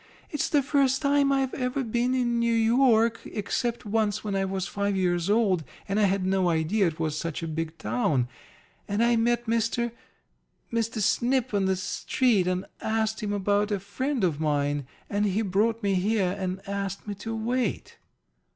It's the first time I've ever been in New York except once when I was five years old, and I had no idea it was such a big town. And I met Mr. Mr. Snip on the street and asked him about a friend of mine, and he brought me here and asked me to wait."